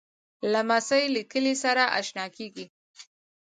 لمسی له کلي سره اشنا کېږي.